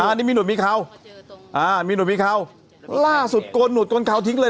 อันนี้มีหุดมีเขาอ่ามีหุดมีเขาล่าสุดโกนหุดโกนเขาทิ้งเลย